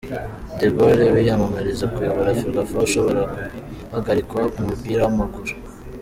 De Gaulle wiyamamariza kuyobora Ferwafa ashobora guhagarikwa mu mupira w’amaguru